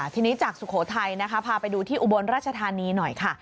ทีนี้จากสุโขทัยนะคะพาไปดูที่อุบลราชธานีหน่อยค่ะ